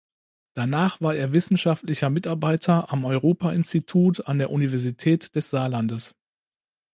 Danach war er wissenschaftlicher Mitarbeiter am Europa-Institut an der Universität des Saarlandes.